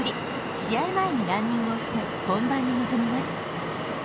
試合前にランニングをして、本番に臨みます。